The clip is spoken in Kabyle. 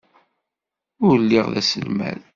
Ul lliɣ d aselmad.